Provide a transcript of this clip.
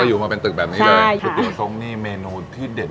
ก็อยู่มาเป็นตึกแบบนี้เลยค่ะเถอะค่ะส้งนี่เมนูที่เด่น